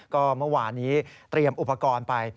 ก็เมื่อวานนี้เตรียมอุปกรณ์ไป